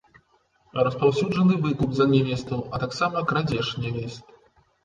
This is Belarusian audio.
Распаўсюджаны выкуп за нявесту, а таксама крадзеж нявест.